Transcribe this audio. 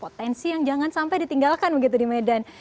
potensi yang jangan sampai ditinggalkan begitu di medan